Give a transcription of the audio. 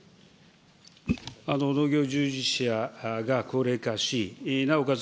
農業従事者が高齢化し、なおかつ